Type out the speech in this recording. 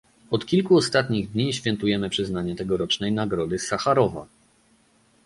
Od kilku ostatnich dni świętujemy przyznanie tegorocznej nagrody Sacharowa